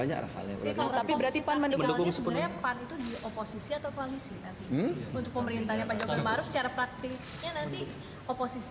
untuk pemerintahnya pak jokowi baru secara praktiknya nanti oposisi atau koalisi